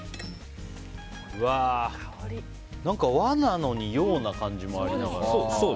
何か和なのに洋な感じもありながら。